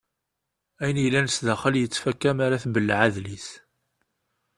Ayen yellan sdaxel yettfaka mi ara tbelleɛ adlis.